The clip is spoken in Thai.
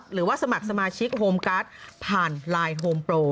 หรือว่าสมัครสมาชิกโฮมการ์ดผ่านไลน์โฮมโปร